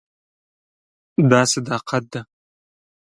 دا صداقت ده.